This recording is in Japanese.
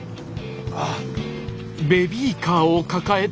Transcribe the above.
あっ。